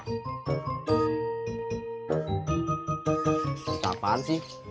cerita apaan sih